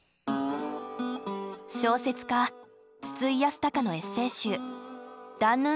小説家筒井康隆のエッセー集「ダンヌンツィオに夢中」。